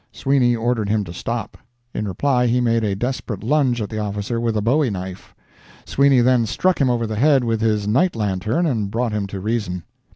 Sweeney ordered him to stop; in reply he made a desperate lunge at the officer with a bowie knife. Sweeney then struck him over the head with his night lantern and brought him to reason.